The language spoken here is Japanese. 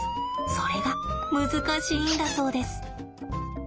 それが難しいんだそうです。